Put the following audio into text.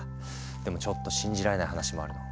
でもちょっと信じられない話もあるの。